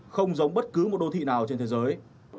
không giống bất cứ một đô thị nào trên thế giới